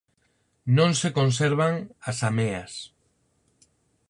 Non se conservan as ameas.